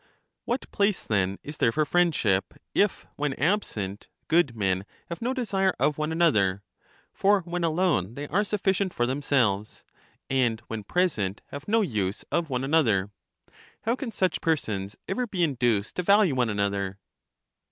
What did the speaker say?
What place then is there for friendship, if, when absent, good men have no desire of one another (for when alone they are sufficient for themselves), and when present have no use of one another? How can such persons ever be induced to value one another?